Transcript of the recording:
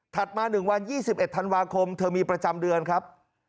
มา๑วัน๒๑ธันวาคมเธอมีประจำเดือนครับ